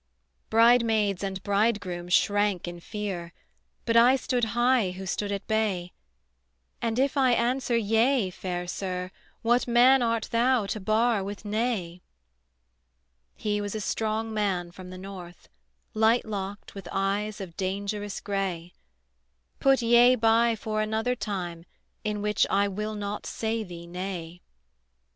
Bridemaids and bridegroom shrank in fear, But I stood high who stood at bay: "And if I answer yea, fair Sir, What man art thou to bar with nay?" He was a strong man from the north, Light locked, with eyes of dangerous gray: "Put yea by for another time In which I will not say thee nay."